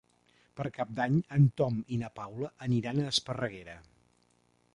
Per Cap d'Any en Tom i na Paula aniran a Esparreguera.